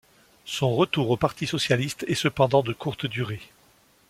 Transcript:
Son retour au parti socialiste est cependant de courte durée.